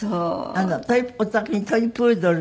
おたくにトイプードルの。